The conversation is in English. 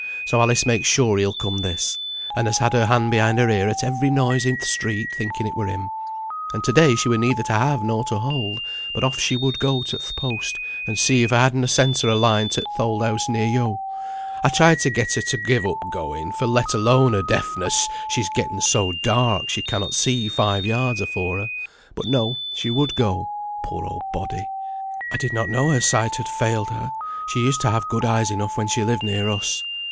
So Alice makes sure he'll come this, and has had her hand behind her ear at every noise in th' street, thinking it were him. And to day she were neither to have nor to hold, but off she would go to th' post, and see if he had na sent her a line to th' old house near yo. I tried to get her to give up going, for let alone her deafness she's getten so dark, she cannot see five yards afore her; but no, she would go, poor old body." "I did not know her sight had failed her; she used to have good eyes enough when she lived near us."